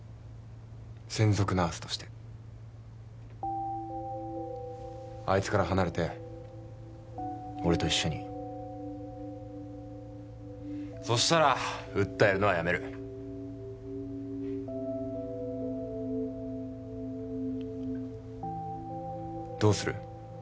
専属ナースとしてあいつから離れて俺と一緒にそしたら訴えるのはやめるどうする？